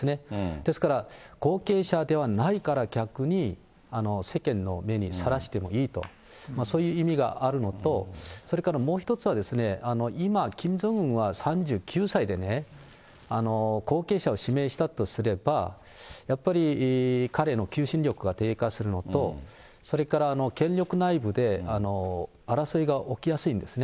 ですから、後継者ではないから逆に世間の目にさらしてもいいと、そういう意味があるのと、それからもう一つはですね、今、キム・ジョンウンは３９歳でね、後継者を指名したとすれば、やっぱり彼の求心力が低下するのと、それから権力内部で争いが起きやすいんですね。